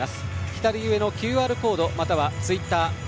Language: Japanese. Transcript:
左上のＱＲコードまたはツイッター「＃